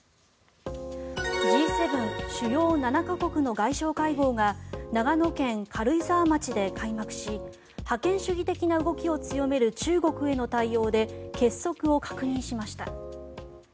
Ｇ７・主要７か国の外相会合が長野県軽井沢町で開幕し覇権主義的な動きを強める中国への対応で結束を確認しました。